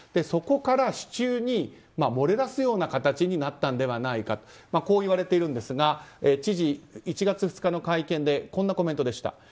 そこから市中に漏れ出すような形になったのではないかこういわれているんですが知事、１月２日の会見でこんなコメントでした。